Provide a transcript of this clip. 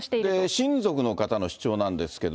親族の方の主張なんですけど、